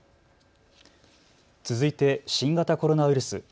続いて新型コロナウイルス。